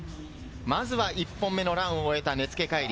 まずは１本目のランを終えた根附海龍。